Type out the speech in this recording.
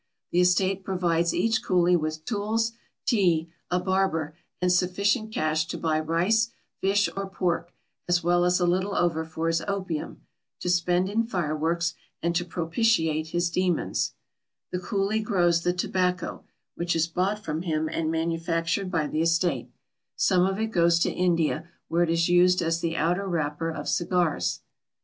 The estate provides each coolie with tools, tea, a barber, and sufficient cash to buy rice, fish, or pork, as well as a little over for his opium, to spend in fireworks, and to propitiate his demons. The coolie grows the tobacco, which is bought from him and manufactured by the estate. Some of it goes to India, where it is used as the outer wrapper of cigars. Dunning, Tobacco, 1876.